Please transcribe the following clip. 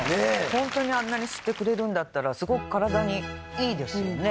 ホントにあんなに吸ってくれるんだったらすごく体にいいですよね。